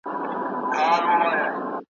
وګړي ډېر سول د نیکه دعا قبوله سوله `